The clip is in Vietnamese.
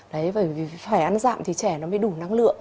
đấy bởi vì phải ăn giảm thì trẻ nó mới đủ năng lượng